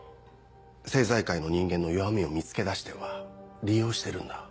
政財界の人間の弱みを見つけ出しては利用してるんだ。